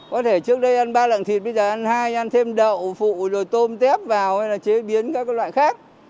có thể trước đây ăn ba loại thịt bây giờ ăn hai ăn thêm đậu phụ rồi tôm tép vào hay là chế biến các loại khác